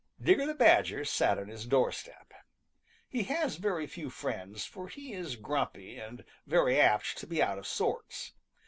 Digger the Badger sat on his doorstep. He has very few friends, for he is grumpy and very apt to be out of sorts.